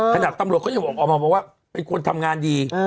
ถนัดตำรวจเขาออกมาว่าเป็นคนทำงานดี